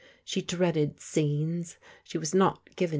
She dreaded scenes. She was not giNtu \.